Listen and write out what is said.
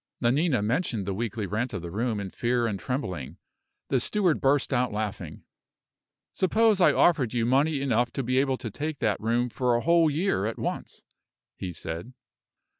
Nanina mentioned the weekly rent of the room in fear and trembling. The steward burst out laughing. "Suppose I offered you money enough to be able to take that room for a whole year at once?" he said.